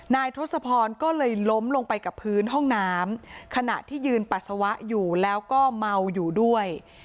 ทศพรก็เลยล้มลงไปกับพื้นห้องน้ำขณะที่ยืนปัสสาวะอยู่แล้วก็เมาอยู่ด้วย